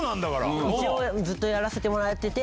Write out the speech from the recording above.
ずっとやらせてもらえてて。